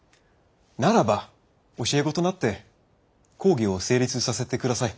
ならば教え子となって講義を成立させて下さい。